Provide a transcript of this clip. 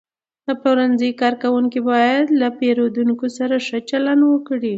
د پلورنځي کارکوونکي باید له پیرودونکو سره ښه چلند وکړي.